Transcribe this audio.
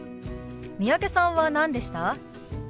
三宅さんは何でした？